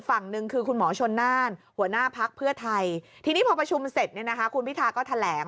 ยังเชื่อมั่น